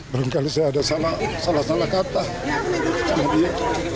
barangkali saya ada salah salah kata sama dia